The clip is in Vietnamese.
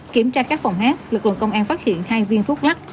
kiểm tra các phòng hát lực lượng công an phát hiện hai viên thuốc lắc